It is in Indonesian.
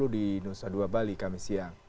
di nusa dua bali kami siang